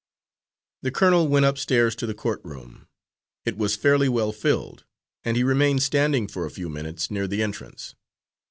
The colonel went upstairs to the court room. It was fairly well filled, and he remained standing for a few minutes near the entrance.